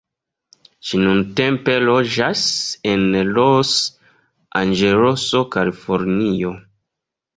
Ŝi nuntempe loĝas en Los-Anĝeleso, Kalifornio.